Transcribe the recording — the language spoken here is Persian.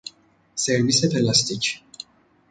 سرویس پلاستیک